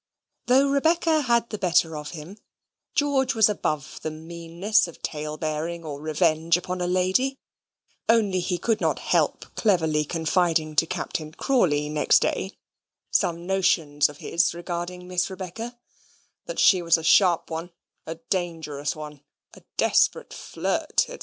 Though Rebecca had had the better of him, George was above the meanness of talebearing or revenge upon a lady only he could not help cleverly confiding to Captain Crawley, next day, some notions of his regarding Miss Rebecca that she was a sharp one, a dangerous one, a desperate flirt, &c.